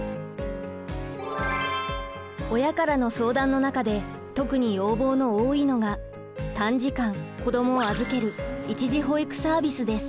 親からの相談の中で特に要望の多いのが短時間子どもを預ける一時保育サービスです。